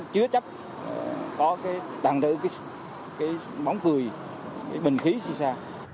chứa chấp có cái tăng trữ cái bóng cười cái bình khí si sa